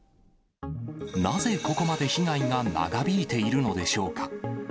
なぜ、ここまで被害が長引いているのでしょうか。